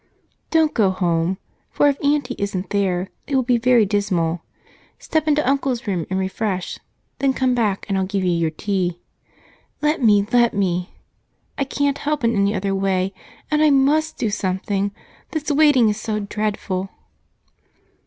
"Don't go home, for if Aunty isn't there it will be very dismal. Step into Uncle's room and refresh, then come back and I'll give you your tea. Let me, let me! I can't help in any other way, and I must do something, this waiting is so dreadful."